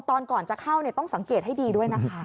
ตอนก่อนจะเข้าต้องสังเกตให้ดีด้วยนะคะ